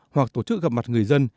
hoặc tổ chức gặp mặt người dân